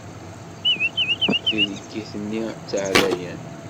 Tileggit-nni d taɛlayant.